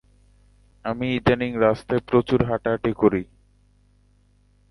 আমি ইদানীং রাস্তায় প্রচুর হাঁটাহাঁটি করি।